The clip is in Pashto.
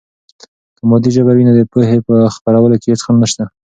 که مادي ژبه وي، نو د پوهې په خپرولو کې هېڅ خنډ نسته.